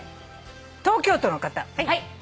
東京都の方。